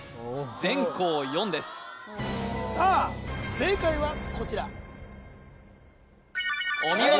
全校４ですさあ正解はこちらお見事